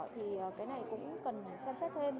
thì cái này cũng cần xem xét thêm